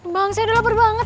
bang saya udah lapar banget